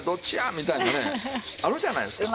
みたいなねあるじゃないですか。